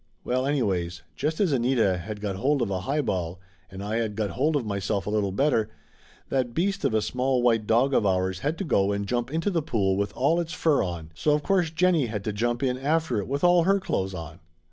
Well anyways, just as Anita had got hold of a high ball and I had got hold of myself a little better, that beast of a small white dog of ours had to go and jump into the pool with all its fur on, so of course Jennie had to jump in after it with all her clothes on.